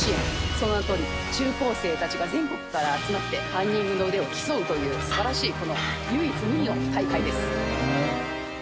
その名のとおり中高生たちが全国から集まってパンニングの腕を競うという素晴らしい唯一無二の大会です。